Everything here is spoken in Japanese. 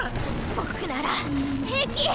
僕なら平気。